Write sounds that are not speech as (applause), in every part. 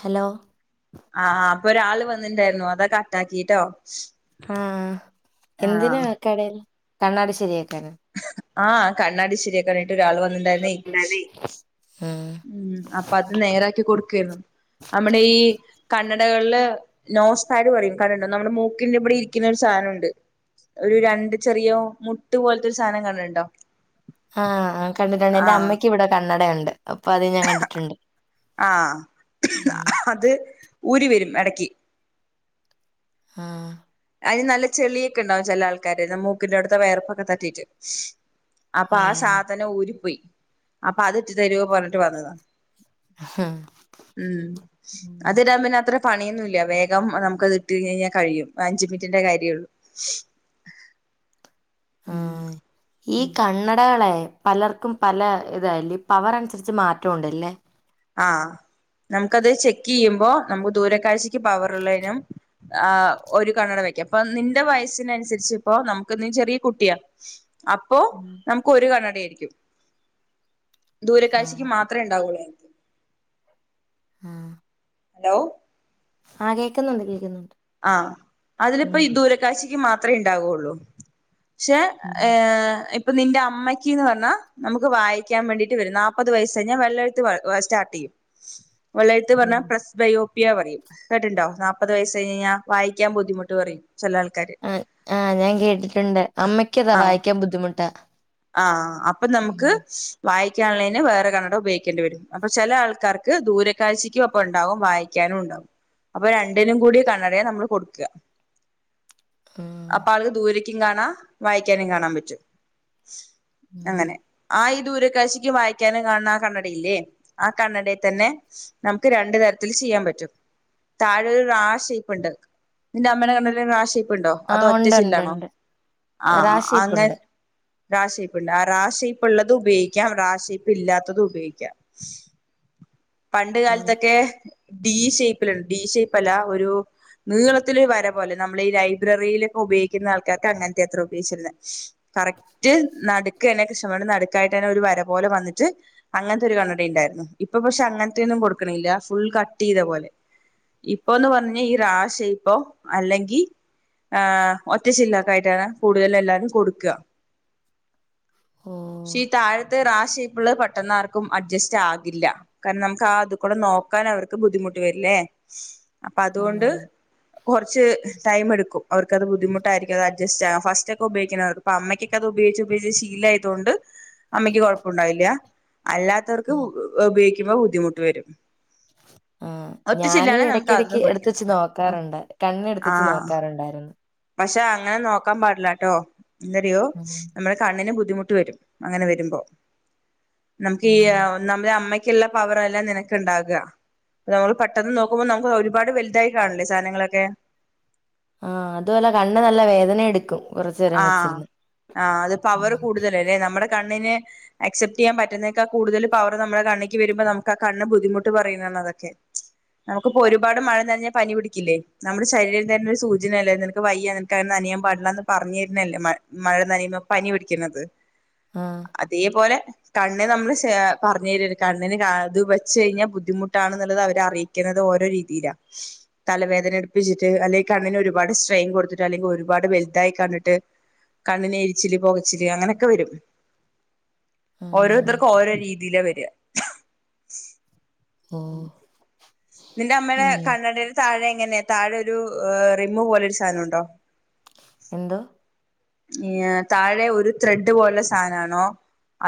Hello ആഹ് ആഹ് ഇപ്പൊ ഒരാൾ വന്നിണ്ടായിരുന്നു അതാ കട്ടാക്കിട്ടോ ആഹ് എന്തിനാ ആഹ് ആക്കടൽ കണ്ണാടി ശരിയാക്കാനോ ആഹ് കണ്ണാടി ശരിയാക്കാനായിട്ട് ഒരാൾ വന്നിണ്ടായിരുന്നേ ഉം ഉം അപ്പൊ അത് നേരാക്കി കൊടുക്കായിരുന്നു നമ്മുടെ ഈ കണ്ണടകളില് നോസ്റ്റായിണ് പറയും കണ്ടിണ്ടോ നമ്മുടെ മൂക്കിന്റെ ഇവടെ ഇരിക്കുന്നൊരു സാധനമുണ്ട് ഒരു രണ്ട് ചെറിയോ മുട്ട് പോലത്തൊരു സാധനം കണ്ട്ണ്ടോ ആഹ് കണ്ടിട്ടുണ്ട് എന്റെ അമ്മയ്ക്ക് ഇവിടെ കണ്ണടയുണ്ട് അപ്പൊ അത് ഞാൻ കണ്ടിട്ടുണ്ട് ആഹ് ഉം അത് ഊരി വരും എടക്ക് ആഹ് അതിന് നല്ല ചെളിയൊക്കെ ഇണ്ടാവും ചില ആൾക്കാര് മൂക്കിന്റെ അടുത്തെ വിയർപ്പൊക്കെ തട്ടിയിട്ട് അപ്പൊ ആ ഓഹ് സാധനം ഊരിപ്പോയി അപ്പൊ അത് ഇട്ടു തരോ പറഞ്ഞിട്ട് വന്നതാ ഹും ഉം ഉം. അത് ഇടാൻ പിന്നെ അത്ര പണിയൊന്നുമില്ല വേഗം നമുക്കത് ഇട്ട് കഴിഞ്ഞ് കഴിഞ്ഞാൽ കഴിയും ഒരു അഞ്ചുമിനിറ്റിന്റെ കാര്യയെ ഒള്ളും ആഹ് ഉം ഈ കണ്ണടകളെ പലർക്കും പല ഇതാല്ലേ പവർ അനുസരിച്ച് മാറ്റം ഉണ്ടല്ലേ ആഹ് നമുക്കത് ചെക്ക് ചെയ്യുമ്പോ നമ്മക് ദൂര കാഴ്ചക്ക് പവർ ഉള്ളതിനും ആഹ് ഒരു കണ്ണട വെക്കാ അപ്പൊ നിന്റെ വയസിനനുസരിച്ച് ഇപ്പ നമുക്ക് നീ ചെറിയ കുട്ടിയാ അപ്പോ ആഹ് നമുക്ക് ഒരു കണ്ണട ആയിരിക്കും ദൂര ആഹ് കാഴ്ചക്ക് മാത്രമേ ഉണ്ടാവുള്ളൂ ആഹ് ഹലോ ആഹ് കേക്കുന്നുണ്ട് കേൾക്കുന്നുണ്ട് ആഹ് അതില് ഇപ്പോ ഈ ദൂര കാഴ്ചക്ക് മാത്ര ഇണ്ടാവൊള്ളൂ പക്ഷെ ഉം ഏ അപ്പൊ നിന്റെ അമ്മയ്ക്ക് എന്ന് പറഞ്ഞാൽ നമുക്ക് വായിക്കാൻ വേണ്ടിയിട്ട് വരും നല്പ്പത് വയസ് കഴിഞ്ഞാ വെള്ളെഴുത്ത് സ്റ്റാർട്ട് ചെയ്യും വെള്ളഴ്ത്ത് ഉം പറഞ്ഞാ പ്രസ്ബയോപ്പിയ പറയും കേട്ടുണ്ടോ നാൽപ്പത് വയസ് കഴിഞ്ഞ് കഴിഞ്ഞാൽ വായിക്കാൻ ബുദ്ധിമുട്ട് പറയും ചില ആൾക്കാര് ആ ആഹ് ഞാൻ കേട്ടിട്ടുണ്ട് അമ്മയ്ക്കതാ ആഹ് വായിക്കാൻ ബുദ്ധിമുട്ടാ ആഹ് അപ്പൊ ഉം നമുക്ക് വായിക്കാനുള്ളേന് വേറെ കണ്ണട ഉപയോഗിക്കേണ്ടി വരും അപ്പൊ ചില ആൾക്കാർക്ക് ദൂര കാഴ്ചക്കും അപ്പ ഉണ്ടാവും വായി ക്കാനും ഉണ്ടാവും അപ്പൊ രണ്ടിനും കൂടി കണ്ണട നമ്മള് കൊടുക്കാ ഉം അപ്പ അത് ദൂരക്കും കാണാ വായിക്കാനും കാണാൻ പറ്റും ഉം അങ്ങനെ ആ ഈ ദൂരകാഴ്ചക്ക് വായി വായിക്കാനും കാണുന്ന ആ കണ്ണടയില്ലേ ആ കണ്ണടയിൽ തന്നെ നമുക്ക് രണ്ടു തരത്തിൽ ചെയ്യാൻ പറ്റും താഴെ ഒരു റാഷേയ്പ്പ്ണ്ട് നിന്റെ അമ്മേടെ കണ്ണടയിൽ റാ ഷേപ്പ് പ്പ്ണ്ടോ അതോ ആഹ് ഒറ്റ ഉണ്ട് ഉണ്ട് ചില്ലാണോ ഉണ്ട് റാ ആഹ് അങ്ങന് ഷേപ്പുണ്ട് റാ ഷേപ്പ്ണ്ട് ആഹ് റാ ഷേപ്പ് ഉള്ളത് ഉപയോഗിക്കാം റാ ഷയിപ്പ് ഇല്ലാത്തതും ഉപയോഗിക്കാം പണ്ട് ആ കാലത്തൊക്കെ ഡി ഷേപ്പിലുണ്ട് ഡി ഷേപ്പ് അല്ല ഒരു നീളത്തില് ഒരു വര പോലെ നമ്മള് ഈ ലൈബ്രറിയിലൊക്കെ ഉപയോഗിക്കുന്ന ആൾക്കാർക്ക് അങ്ങന് ത്തെത്ര ഉപയോഗിച്ചിരുന്നെ കറക്റ്റ് നടുക്കെന്നെ കൃഷ്ണമണി ന്റെ നടുക്കായിട്ട് ഒരു വര പോലെ വന്നിട്ട് അങ്ങനത്തെ ഒരു കണ്ണട ഇണ്ടായിരുന്നു ഇപ്പൊ പക്ഷെ അങ്ങന്ത്തിയൊന്നും കൊടുക്ക്ണില്ല ഫുൾ കട്ട് ചെയ്ത പോലെ ഇപ്പൊന്ന് പറഞ്ഞാ ഈ റാ ഷേപ്പോ അല്ലെങ്കി ഏഹ് ഒറ്റചിലൊക്കെ ആയിട്ടാണ് കൂടുതൽ എല്ലാരും കൊട്ക്ക ഓ പക്ഷെ ഈ താഴത്തെ റാ ഷേപ്പ് ഉള്ളത് പെട്ടെന്നാർക്കും അഡ്ജസ്റ്റ് ആകില്ല കാരണം നമുക്ക് ആഹ് അത് കൂടെ നോക്കാൻ അവർക്ക് ബുദ്ധിമുട്ട് വരില്ലേ അപ്പൊ ആ അതുകൊണ്ട് കുറച്ച് ടൈം എടുക്കും അവർക്ക് അത് ബുദ്ധിമുട്ടായിരികും അത്‌ അഡ്ജസ്റ്റ് ആകാൻ ഫസ്റ്റ് ഒക്കെ ഉപെയ്ക്കുന്നവർ അപ്പൊ അമ്മയ്ക്കൊക്കെ അത് ഉപയോഗിച്ച് ഉപയോഗിച്ച് ശീല ആയ്തൊണ്ട് അമ്മക്ക് കൊയ്പ്പണ്ടാവില്ല അല്ലാത്തവർക്ക് ഉപയോഗിക്കുമ്പോ ബുദ്ധിമുട്ട് വെരും ആഹ് ഞാനീ ഇടയ്ക്കിടക്ക് എടുത്ത് വെച്ച് പഠിക്കുന്നത് നോക്കാറുണ്ട് കണ്ണ് എടുത്ത് വെച്ച് ആഹ് നോക്കാറുണ്ടായിരുന്നു പക്ഷെ അങ്ങനെ നോക്കാൻ പാടില്ലട്ടോ എന്തറിയോ ഉം നമ്മളെ കണ്ണിന് ബുദ്ധിമുട്ട് വരും അങ്ങനെ വെരുമ്പോ നമുക്ക് ഈ ഉം ഒന്നാമത് ഈ അമ്മക്ക് ക്ക്ള്ള പവറെല്ല നിനക്ക് ഉണ്ടാക നമ്മൾ പെട്ടെന്ന് നോക്കുമ്പോ നമ്മക്ക് ഒരുപാട് വലുതായി കാണില്ലേ സാധനങ്ങളൊക്കെ. ആഹ് അതുഅല്ല കണ്ണ് നല്ല വേദന എടുക്കും. കുറച്ചു നേരം ആഹ് വെച്ചിരുന്ന്. ആഹ് അത് ഉം പവറ് കൂടുതലല്ലേ നമ്മുടെ കണ്ണിന് അക്സെപ്റ്റ് ചെയ്യാൻ പറ്റുന്നേക്കാ കൂടുതൽ പവർ നമ്മുടെ കണ്ണേക്ക് വരുമ്പോ നമുക്ക് ആഹ് കണ്ണ് ബുദ്ധിമുട്ട് പറയുന്നതാണ് അതൊക്കെ. നമ്മക്ക്പ്പൊ ഒരുപാട് മഴ നനെഞ്ഞാ പനി പിടിക്കില്ലേ. നമ്മുടെ ശരീരത്തിന്റെന്നെ ഒരു സൂചനല്ലെ നിനക്ക് വയ്യ നിനക്ക് അങ്ങനെ നനയാൻ പാടില്ലെന്ന് പറ്ഞ്ഞെരുന്നല്ലേ മഴ നനയുമ്പോ പനി പിടിക്കുന്നത് ആ അതേപോലെ കണ്ണ് നമ്മള് ശെ പറ്ഞ് തെരാ കണ്ണിന് കാ ഇത് വെച്ച് കഴിഞ്ഞാ ബുദ്ധിമുട്ടാണ് എന്നുള്ളത് അവര് അറിയിക്ക് അറിയികുന്നത് ഓരോ രീതിയിലാ. തലവേദന എടുപ്പിച്ചിട്ട് അല്ലെങ്കി കണ്ണിന് ഒരുപാട് സ്ട്രെയിൻ കൊടുത്തിട്ട് അല്ലെങ്കിൽ ഒരുപാട് വെല് വെല്തായി കണ്ടിട്ട് കണ്ണിന് എരിച്ചില് പുകച്ചില് അങ്ങനെയൊക്കെ വരും. ആ ഓരോര്ത്തർക്ക് ഓരോ രീതിയില വെര ഓഹ് നിന്റെ അമ്മെടെ കണ്ണടയുടെ താഴെ എങ്ങനെയാ താഴെ ഒരു റിമ്മ് പോലൊരു സാനൊണ്ടോ എന്ത്? ഈഹ് താഴെ ഒരു ത്രെഡ് പോലെ സാനാണോ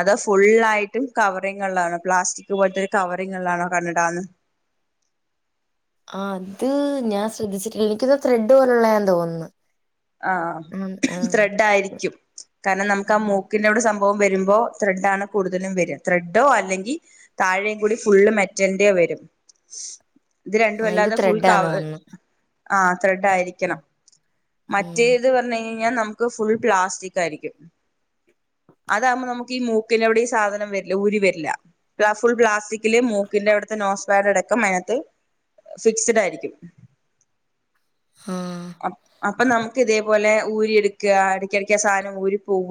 അതോ ഫുള്ളായിട്ടും കവറിങ്ങ്ള്ളാണോ പ്ലാസ്റ്റിക് പോല്ത്തെരു കവറിങ്ങ്ള്ളാണോ കണ്ണടാന്ന് ആഹ് അത് ഞാൻ ശ്രദ്ധിച്ചിട്ടില്ല എനിക്കിത് ത്രെഡ് പോലെയുള്ളായാ തോന്ന്ന്നു ആഹ് ത്രെഡ് ആയിരിക്കും കാരണം നമുക്ക് ആഹ് മൂക്കിന്റെവ്ടെ സംഭവം അപ്പൊ വരുമ്പോ ത്രെഡാണ് കൂടുതലും വെര ത്രെഡോ അല്ലെങ്കി താഴെയും കൂടി ഫുള്ള് മെറ്റല്ന്റെ വെരും ഇത് ആ ഇത് രണ്ടുഅല്ലാതെ ഫുൾ ത്രെഡാന്ന് കവർ തോന്നുന്നു. ആഹ് ത്രെഡ് ആയിരിക്കണം ഉം മറ്റേത് പറ്ഞ്ഞഴിഞ്ഞായ്ഞ്ഞാ നമുക്ക് ഫുൾ പ്ലാസ്റ്റിക് ആയിരിക്കും അതാവകുമ്പോ നമ്മുക്കി ഈ മൂക്കിന്റെറെവിടെ ഈ സാധനം വെരില്ല ഊരി വെര്ല്ല ഫുൾ പ്ലാസ്റ്റിക്കില് മൂക്കിന്റെ അവിടുത്തെ നോസ്ഫാഡ് അടക്കം അയ്നത്ത്. ഫിക്സ്ഡ് ആയ്രിക്കും ആഹ് അപ്പൊ നമ്മുക്ക് ഇതേപോലെ ഊരി എടുക്ക ഇടക്ക് ഇടക്ക് ഈ സാനം ഊരി പോവ.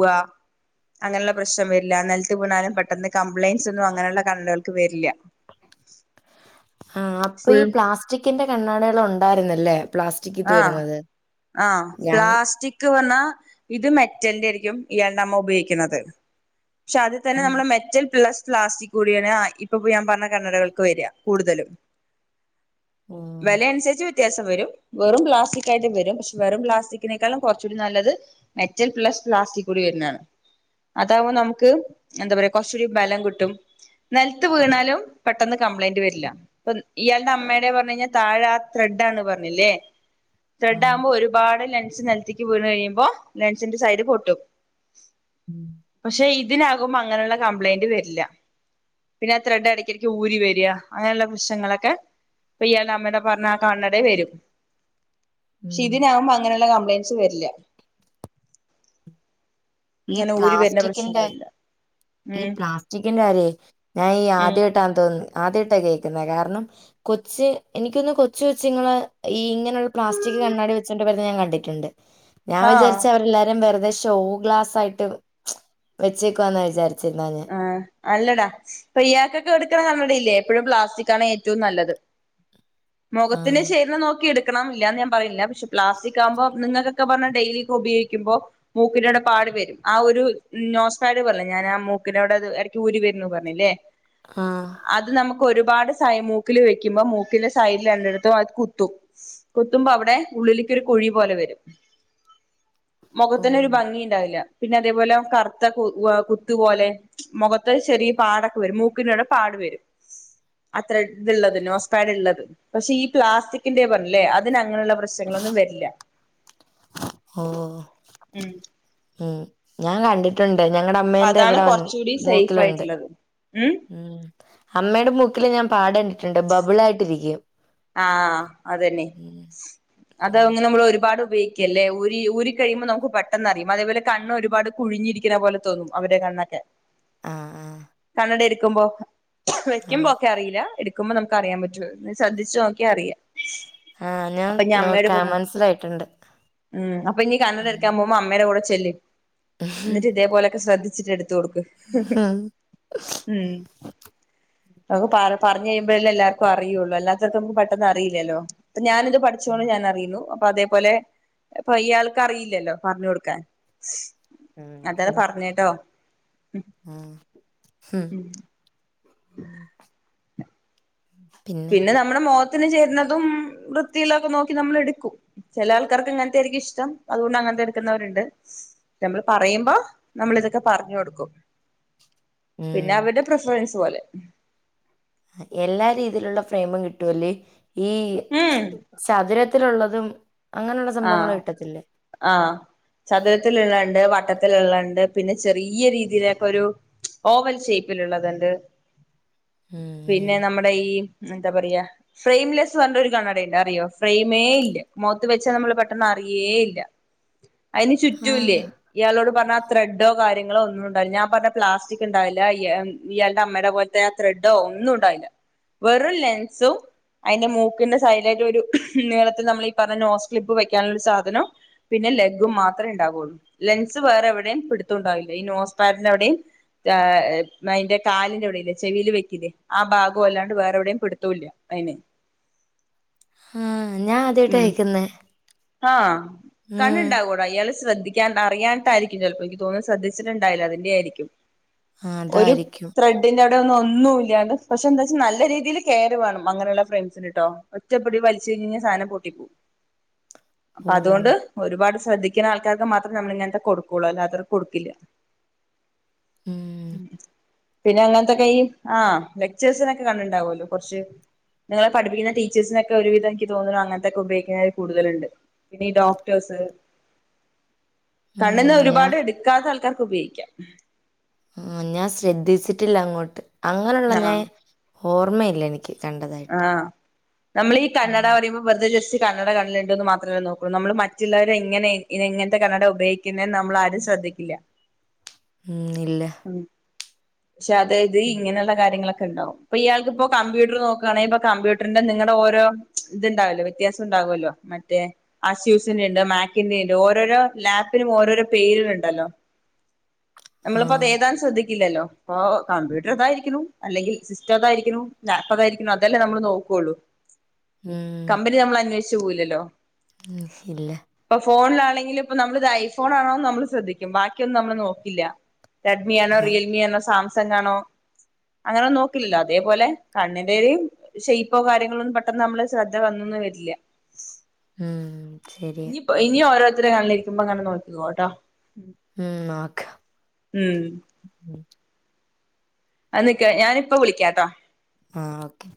അങ്ങനെയുള്ള പ്രശ്നം വരില്ല നലത്ത് വീണാലും പെട്ടെന്ന് കംപ്ലയിൻറ്സ് ഒന്നും അങ്ങനെയുള്ള കണ്ണടകൾക്ക് വരില്ല ആ അപ്പൊ ഫുൾ ഈ പ്ലാസ്റ്റിക്കിന്റെ കണ്ണാടകൾ ഉണ്ടായിരുന്നല്ലേ പ്ലാസ്റ്റിക് ഇത് ആഹ് വരുന്നത് ആഹ് ഞാൻ പ്ലാസ്റ്റി കക്ക് ന്ന് പറഞ്ഞാ ഇത് മെറ്റന്റെ യിരിക്കും ഇയാളുടെ അമ്മ ഉപയോഗിക്കുന്നത്. പക്ഷെ അത് തന്നെ ആ നമ്മുടെ മെറ്റൽ പ്ലസ് പ്ലാസ്റ്റിക്. കൂടിയാണ് ഇപ്പപ്പോ ഞാൻ പറഞ്ഞ കണ്ണടകൾക്ക് വരിക കൂടുതലും ഉം വെലയനുസരിച്ച് വ്യത്യാസം വരും വെറും പ്ലാസ്റ്റിക്കായിട്ടും വരുംക്ഷെ വെറും പ്ലാസ്റ്റിക്കിനേക്കാളും കുറച്ചൂടി നല്ലത്, മെറ്റൽ പ്ലസ് പ്ലാസ്റ്റിക് കൂടി വരുന്നതാണ്. അതാകുമ്പൾ നമുക്ക് എന്താ പറയാ കൊറച്ചൂടി ബലം കിട്ടും. നെലത്ത് വീണാലും പെട്ടെന്ന് കംപ്ലയിന്റ് വരില്ല. അപ്പൊ ഇയാളുടെ അമ്മയുടെ പറഞ്ഞു കഴിഞ്ഞാൽ താഴെ ആ ത്രെഡ് ആണ് പറഞ്ഞില്ലേ ത്രെഡ് ഉം ആകുമ്പോ ഒരുപാട് ലെൻസ് നിലത്തേക്ക് വീണ് കഴിയുമ്പോ ലെൻസിന്റെ സൈഡ് പൊട്ടും ഉം പക്ഷെ ഇതിനാകുമ്പോ അങ്ങനെയുള്ള കംപ്ലൈയിന്റ് വരില്ല. പിന്നെ ത്രെഡ് എടക്കിടക്ക് ഊരി വെര്യ അങ്ങനെയുള്ള പ്രശ്നങ്ങളൊക്കെ അപ്പൊ ഇയാളുടെ അമ്മടെ പറഞ്ഞാ ആ കണ്ണടെ വരും. പക്ഷെ ഉം ഇതിനാവുമ്പോ അങ്ങനുള്ള കംപ്ലയിൻറ്സ് വരില്ല. ഈ ഇങ്ങനെ ഊരിവരുന്ന പ്രശ്ണം പ്ലാസ്റ്റിക്കിന്റെ വരില്ല. ഈ പ്ലാസ്റ്റിക്കിന്റെ കാര്യേ ഞാൻ ഈ ഉം ആദ്യമായിട്ടാ തോന്ന ആദ്യമായിട്ടാണ് കേക്കുന്നത് കാരണം കൊച്ച് എനിക്കൊന്ന് കൊച്ച വെച്ച് ഈ ഇങ്ങനെയുള്ള പ്ലാസ്റ്റിക് കണ്ണാടി വെച്ചന്റെ ഞാൻ കണ്ടിട്ടുണ്ട് (inaudible) ഞാ വിചാരിച്അവരെല്ലാരും വെറുതെ ഷോഓ ഗ്ലാസ് ആയിട്ട് വെച്ചേക്കാ ന്നാ വിചാരിച്ചിന്ന ഞാൻ.. ആഹ് അല്ലടാ.. പെയ്യക്കൊക്കെ കൊടുക്കണ കണ്ണടയി ല്ലേ എപ്പോഴും പ്ലാസ്റ്റിക്കാണ് ഏറ്റവും നല്ലത്. ആ മൊഖത്തിന് ചേരുന്നത് നോക്കി എട് ക്കണംല്ലാന്ന് ഞാൻ പറയില്ല. പക്ഷേ പ്ലാസ്റ്റി ആവുമ്പോ നിങ്ങളെക്കെവന്ന് ഡെയിലി ഉപയോക്കുമ്പോ മൂക്കിനടെ പാട് വെരും. ആ ഒരു നോസാട് (unintelligible) ഞാനാ മൂക്ക്. ക്കിനവിടെ എടയ്ക്ക് ഊരി വെര്ന്നു പറഞ്ഞില്ലേ. ആഹ് അത് നമുക്ക് ഒരുപാട് സൈ മൂക്കില് വെക്കുമ്പോ മൂക്കിന്റെ സൈഡിൽ രണ്ടിടത്തും അത് കുത്തും. കുത്തുമ്പോ അവിടെ ഉള്ളിലേക്കൊരു കുഴി പോലെ വെരും. ഓ മൊഖത്തിനൊരു ഭംഗിണ്ടാവില്ല. പിന്നെ അതേപോലെ കറുത്ത വ് കുത്ത് പോലെ. മൊഖത്തൊരു ചെറിയ പാടൊക്കെ വെരും. മൂക്കിന്റെവിടെ പാട് വെരും.. അത്രട്ള്ളത് നോസ്പേഡ്ള്ളത്. പക്ഷേ ഈ പ്ലാസ്റ്റിക്കിന്റെ പറഞ്ഞില്ലേ അതിന് അങ്ങനെള്ള പ്രശ്നങ്ങളൊന്നും വെര്ല്ല.. ഓഹ് ഏഹ് ഞാൻ കണ്ടി ട്ട്ണ്ട് ഞങ്ങടെ അപ്പൊ അമ്മേന്റെ അതാണ് ഇവിടെവന്ന് കുറച്ചുകൂടി സേഫ് മൂക്കില്ണ്ട് ആയിട്ടുള്ളത് ഉം. അമ്മേടെ മൂക്കില് ഞാൻ പാട്ണ്ടിട്ട്ണ്ട്. ബബിളായിട്ടിരിക്യും. ആഹ്. അത് ന്നേ അത് ഉം ന്ന് നമ്മൾ ഒരുപാട് ഉപയോക്കല്ലേ. ഊരി ഊരി കഴിയുമ്പോ നമുക് പെട്ടെന്നറിയും. അതേപോലെ കണ്ണ് ഒരുപാട്. കുഴിഞ്ഞിരിക്ണ പോലെ തോന്നും അവരെ കണ്ണൊക്കെ. ആഹ് കണ്ണട എടുക്കുമ്പോ ആഹ് വെക്കുമ്പോ ആഹ് ഒക്കെ അറിയില്ല. ക്കുമ്പോ നമുക്കറിയാൻ പറ്റും ഒന്ന് ശ്രദ്ധിച്ച് നോക്കിയാറിയാ. ആഹ് ഞാൻ അപ്പൊ ഞ അമ്മയോട് നോക്കാം പറഞ്ഞ് മനസ്സിലായിട്ടുണ്ട് ഉം അപ്പൊ ഞ്ഞി കണ്ണട്ക്കാ പോവു മ്പോ അമ്മേടെ കൂടെ ചെല്ല്. എന്നിട്ട് ഇതേപോലെക്കെ ശ്രദ്ധിച്ചിട്ട് എട്ത്ത് കൊടുക്ക് (unintelligible) ഉം അത് പറ പറഞ് കഴിമ്പഴല്ലേ എല്ലാർക്കും അറിയോള്ളു അല്ലാ പെട്ടെന്ന് പെട്ടെന്ന് അറിയില്ലല്ലോ ഞാനിത് പഠിച്ചോണ്ട് ഞാനറിയുന്നു പ്പ അതേപോലെ ഇപ്പൊ ഇയാൾക്ക് അറിയില്ലല്ലോ പറഞ്ഞോടുക്കാൻ അതാ പർഞ്ഞത്ട്ടോ ആഹ് ഉം പിന്നെ നമ്മടെ മൊഖത്തിന് ചേരുന്നതും വൃത്തിയിള്ളെക്കെ നോക്കി നമ്മള് എടുക്കും ചെല ആൾക്കാർക്ക് ഇങ്ങൻത്തെര്ക്കും ഇഷ്ടം അതോണ്ട് അങ്ങൻത്തെ എടുക്കുന്നോരുണ്ട് നമ്മള് പറയുമ്പോ നമ്മള് ഇതൊക്കെ പറഞ്ഞോടുക്കും പിന്നെ ഉം അവര്ടെ പ്രിഫറൻസ് പോലെ എല്ലാ രീതിലുള്ള ഫ്രൈയ്മും കിട്ടൂല്ലേ ഈ ഉം ചതുരത്തിലുള്ളതും അങ്ങനെള്ള ആഹ് സംഭവങ്ങള് കിട്ടത്തില്ലേ ആഹ് ചതുരത്തില്ള്ളത്ണ്ട് വട്ടത്തില്ള്ളണ്ട് പിന്നെ ചെറിയ രീതിയിലേ കൊരു ഓവൽ ഷേപ്പില്ള്ളത്ണ്ട് പിന്നെ ഉം നമ്മടെ ഈ എന്താ പറയാ ഫ്രെയിംമ്ലെസ്സ് പർഞ്ട്ടോരു കണ്ണടയ്ണ്ട് അറിയോ ഫ്രെയിമേ ഇല്ല മോത്ത് വെ ച്ചാ നമ്മള് പെട്ടെന്ന് അറിയേ ഇല്ല അയിന് ചുറ്റുല്ലേ ആഹ് ഇയാളോട് പർഞ്ഞ ത്രെഡോ കാര്യങ്ങളോ ഒന്നും ഇണ്ടാവില്ല ഞാൻ പർഞ്ഞ പ്ലാസ്റ്റിക് ഇണ്ടാവില്ല ഇയാ ഇയാൾടെ അമ്മടെ പോൽ തെ ത്രേഡോ ഒന്നും ഇണ്ടാവില്ല വെറും ലെൻസും അയിന്റെ മൂക്കിന്റെ സൈഡിലായിട്ടൊരു നീളത്തില് നമ്മളീ പറഞ്ഞ നോസ് ക്ലിപ്പ് വെക്കാനുള്ളോരു സാധനം പിന്നെ ലെഗും മാത്രേ ഇണ്ടാവൊള്ളൂ ലെൻസ് വേറെ എവിടേം പിടുത്തണ്ടാവില്ല ഈ നോസ്പാന്റെ അവിടിം അയിന്റെ കാലിന്റെ അവിടല്ലേ ചെവിയില് വെയ്ക്കില്ലേ ആ ഭാഗൊല്ലാണ്ട് വേറെ എവിടെയും പിടുത്തോല്ല അയിന് ആഹ് ഞാൻ ആദ്യായിട്ടാ കേക്കുന്നെ ആഹ് ഉം കണ്ണ്ണ്ടാവോ അയാള് ശ്രദ്ധിക്കാ അറിയാൻട്ടായിരിക്കും ചെലപ്പോ എനിക്ക് തോന്നുന്നു ശ്രദ്ധിച്ചിട്ടുണ്ടാവില്ല അതിന്റെ ആയിരിക്കും ആ, ഒരു അതായിരിക്കും ത്രെ തിന്റെ അവ്ടെ ഒന്നു ഒന്നുല്ലാന്ന് പക്ഷെ എന്താച്ചാ നല്ല രീതീല് കെറ് വേണം അങ്ങനെള്ള ഫ്രൺസിന്ട്ടോ ഒറ്റപ്പടി വലിച്ച്‌ കഴിഞ്ഞയ്ഞാ സാനം പൊട്ടി പോവും ഉം അതുകൊണ്ട് ഒരുപാട് ശ്രദ്ധിക്ണ ആൾക്കാർക്ക് മാത്രം നമ്മള് ഇങ്ങൻത്തെ കൊടുകൊള്ളൂ അല്ലാത്തോർക്ക് കൊടുക്കില്ല ഉം പിന്നെ അങ്ങൻത്തൊ കൈയ്യ് ആഹ് ലെക്ചേഴ്സിനൊക്കെ കണ്ട്ണ്ടാവോല്ലോ കൊർച്ച് ഞങ്ങളെ പഠിപ്പിക്കുന്ന ടീചേഴ്സിനൊക്കെ ഒരു വിധം ഇൻക്ക് തോന്നുണു അങ്ങൻതൊക്കെ ഉപയോഗിക്ണെ കൂടുതല്ണ്ട് പിന്നെ ഈ ഡോക്ടേഴ്സ് ഉം കണ്ണിന് ഞാൻ ഒരുപാട് എട് ക്കാത്തെ ആൾക്കാർക്ക് ഉപയോഗിക്ക ആഹ് ഞാൻ ശ്രദ്ധിച്ചിട്ടില്ല അങ്ങോട്ട് അങ്ങനെള്ള ആഹ് ഞാൻ ഓർമ്മയില്ല എനിക്ക് കണ്ടതാ ആഹ് നമ്മളീ ഈ കണ്ണട പറിമ്പം വെർതെ ജസ്റ്റ് കണ്ണട കണ്ണ്ല്ണ്ട്ന്ന് മാത്രല്ലെ നോക്കൊള്ളു നമ്മള് മറ്റുള്ളവരെ എങ്ങനെ എങ്ങൻത്തെ കണ്ണട ഉപയോ ക്ക്ന്നെ നമ്മള് ആരും ശ്രദ്ധിക്കില്ല ഉം ഇല്ല ഉം പക്ഷെ അതായത് ഉം. ഇങ്ങനെള്ള കാര്യങ്ങളൊക്കെ ഇണ്ടാവും ഇപ്പ ഇയാൾക്ക് ഇപ്പോ കമ്പ്യൂട്ടർ നോക്ക് കമ്പ്യൂട്ടർന്റെ നിങ്ങടെ ഓരോ ഇത്ണ്ടാവല്ലോ വ്യത്യാസം ഇണ്ടാവോല്ലോ മറ്റേ അസ്യൂഷന്ണ്ട് മാക്കിന്റെ ഇണ്ട് ഓരോരോ ലാപ്പിനും ഓരോരോ പേര് കള്ണ്ടല്ലോ നമ്മള്പ്പോ അത് ആഹ് ഏതാനും ശ്രദ്ധിക്കില്ലല്ലോ ഇപ്പ കമ്പ്യൂട്ടർ അതായിരിക്ക്ണു അല്ലെങ്കിൽ സിസ്റ്റം ഇതായിരിക്ക്ണു ലാപ്പതായിരിക്കുണു അതല്ലേ നമ്മള് നോക്കൊള്ളു കമ്പനി നമ്മൾ അന്വേഷിച്ചു പോവില്ലല്ലോ? ഇല്ല. ഇപ്പൊ ഫോണിലാണെങ്കിലും ഇപ്പ നമ്മളിത് ഐഫോണാണോന്ന് നമ്മള് ശ്രദ്ധിക്കും ബാക്കിയൊന്നും നമ്മള് നോക്കില്ല. റെഡ്മി ആണോ? ആഹ് റിയൽമി ആണോ? സാംസംഗ് ആണോ? അങ്ങനെന്നു നോക്കില്ലല്ലോ അതേപോലെ കണ്ണിന്റെയും. ശെയ്പ്പോ കാര്യങ്ങളൊന്നും പെട്ടെന്ന് നമ്മള് ശ്രദ്ധ വന്നൊന്നും വരില്ല. ഉം ശെരിയാ. ഇനി ഇനി ഓരോത്തര കണ്ണിലിരിക്കുമ്പോ അങ്ങനെ നോക്കികോട്ടോ. ഉം നോക്ക. ഉം ഉം അ നിക്ക് ഞാനിപ്പോ വിളിക്കാട്ടോ. ആഹ് ഓകെ.